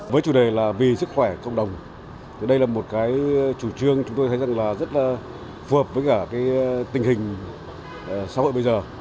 với chủ đề là vì sức khỏe cộng đồng thì đây là một cái chủ trương chúng tôi thấy là rất là phù hợp với cả cái tình hình xã hội bây giờ